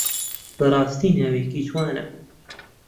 بەڕاستی ناوێکی جوانە.